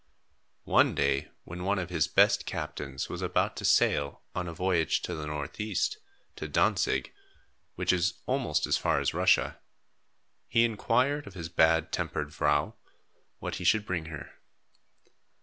One day, when one of his best captains was about to sail on a voyage to the northeast, to Dantzig, which is almost as far as Russia, he inquired of his bad tempered vrouw what he should bring her.